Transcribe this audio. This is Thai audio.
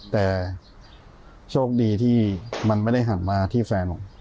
แต่โชคดีที่มันไม่ได้หันมาที่แฟนผม